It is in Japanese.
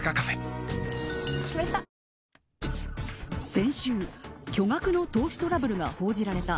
先週、巨額の投資トラブルが報じられた